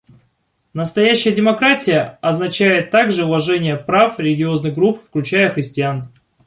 Настоящая демократия означает также уважение прав религиозных групп, включая христиан.